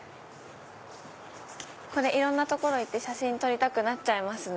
いろんな所行って写真撮りたくなっちゃいますね。